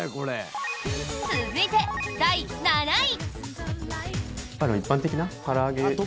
続いて、第７位！